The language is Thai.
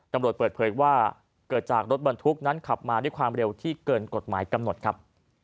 เปิดเผยว่าเกิดจากรถบรรทุกนั้นขับมาด้วยความเร็วที่เกินกฎหมายกำหนดครับ